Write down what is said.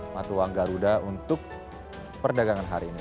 mata uang garuda untuk perdagangan hari ini